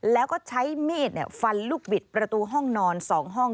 แล้วก็ใช้มีดฟันลูกบิดประตูห้องนอน๒ห้อง